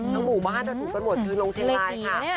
ต้องบุมา๕แต่ถูกกันหมดถึงลงเชนไลน์ค่ะ